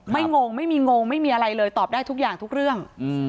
งงไม่มีงงไม่มีอะไรเลยตอบได้ทุกอย่างทุกเรื่อง